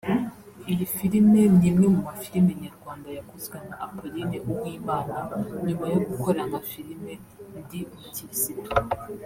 Iyi filime n’imwe mu mafilime nyarwanda yakozwe na Apoline Uwimana nyuma yo gukora nka filime Ndi umukirisitu